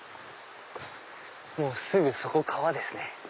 すぐそこ川ですね。